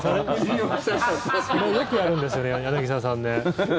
よくやるんですよね柳澤さんね。